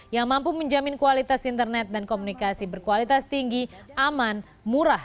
yang mampu menjamin kualitas internet dan komunikasi berkualitas tinggi aman murah